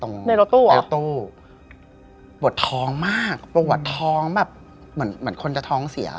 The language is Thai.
ในรถตู้อ่ะรถตู้ปวดท้องมากปวดท้องแบบเหมือนเหมือนคนจะท้องเสีย